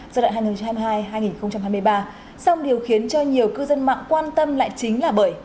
giai đoạn hai nghìn hai mươi hai hai nghìn hai mươi ba song điều khiến cho nhiều cư dân mạng quan tâm lại chính là bởi